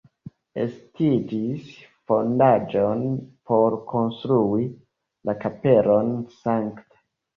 Estiĝis fondaĵon por konstrui la kapelon Sankta.